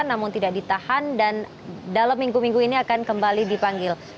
namun tidak ditahan dan dalam minggu minggu ini akan kembali dipanggil